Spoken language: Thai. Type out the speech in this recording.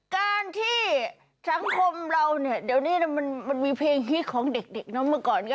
การที่สังคมเราเนี่ยเดี๋ยวนี้มันมีเพลงฮิตของเด็กเนอะเมื่อก่อนก็